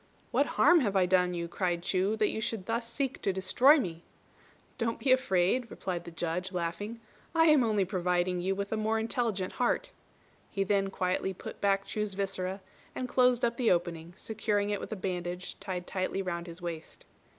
"What harm have I done you?" cried Chu, "that you should thus seek to destroy me?" "Don't be afraid," replied the Judge, laughing, "I am only providing you with a more intelligent heart." He then quietly put back Chu's viscera, and closed up the opening, securing it with a bandage tied tightly round his waist.